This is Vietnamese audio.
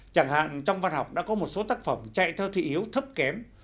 chẳng hạn trong văn học đã có một số tác phẩm chạy theo thị yếu thấp kém